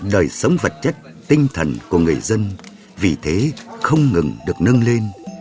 đời sống vật chất tinh thần của người dân vì thế không ngừng được nâng lên